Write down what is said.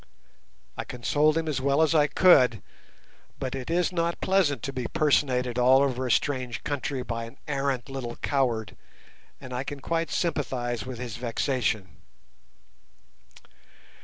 I consoled him as well as I could, but it is not pleasant to be personated all over a strange country by an arrant little coward, and I can quite sympathize with his vexation.